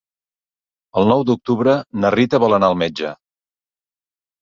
El nou d'octubre na Rita vol anar al metge.